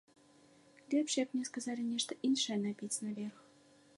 Лепш, як мне сказалі, нешта іншае набіць наверх.